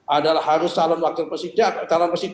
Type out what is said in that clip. adalah harus calon wakil presiden